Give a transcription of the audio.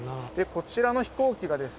こちらの飛行機がですね